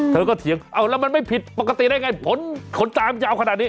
เธอก็เถียงเอาแล้วมันไม่ผิดปกติได้ไงผลขนจามยาวขนาดนี้